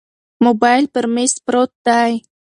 موبایل پر مېز پروت دی.